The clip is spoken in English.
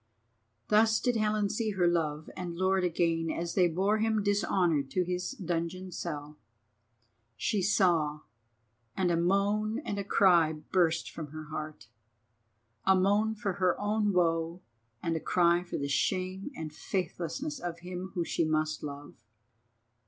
Thus did Helen see her Love and Lord again as they bore him dishonoured to his dungeon cell. She saw, and a moan and a cry burst from her heart. A moan for her own woe and a cry for the shame and faithlessness of him whom she must love.